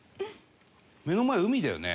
目の前海だよね？